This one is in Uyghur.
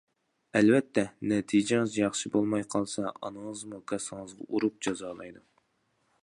ئەلۋەتتە نەتىجىڭىز ياخشى بولماي قالسا، ئانىڭىزمۇ كاسىڭىزغا ئۇرۇپ جازالايدۇ.